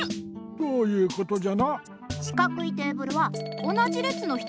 どういうことじゃ？